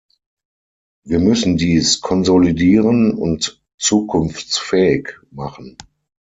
Wir müssen dies konsolidieren und zukunftsfähig machen.